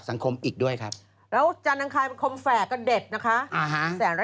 อีกทั้งยังมียอดแฟนคลับเนี่ยเข้ามากกว่า๗แสนคนแล้วนะครับ